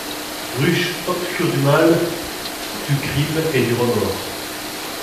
Ruche obscure du mal, du crime et du remord!